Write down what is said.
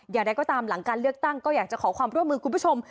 อย่างไรก็ตามหลังการเลือกตั้งก็อยากจะขอความร่วมมือคุณผู้ชม